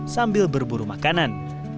sambil berburu makanan